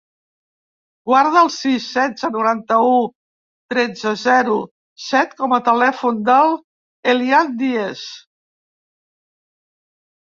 Guarda el sis, setze, noranta-u, tretze, zero, set com a telèfon de l'Elian Diez.